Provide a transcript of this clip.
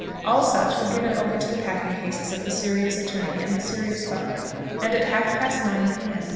All such were given over to the packing cases of the serious attorney and the serious butler, and at half past nine p.m.